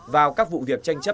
vào các vụ việc tranh chấp